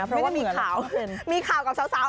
เพราะว่ามีข่าวกับสาว